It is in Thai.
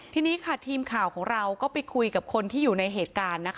ทีนี้ค่ะทีมข่าวของเราก็ไปคุยกับคนที่อยู่ในเหตุการณ์นะคะ